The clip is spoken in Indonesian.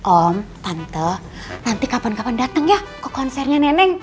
om tante nanti kapan kapan datang ya ke konsernya neneng